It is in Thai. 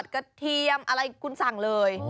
เทียมอะไรคุณสั่งเลย